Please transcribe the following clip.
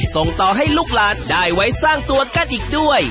ส่งต่อให้ลูกหลานได้ไว้สร้างตัวกันอีกด้วย